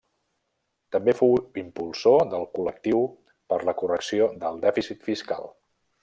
També fou impulsor del Col·lectiu per la Correcció del Dèficit Fiscal.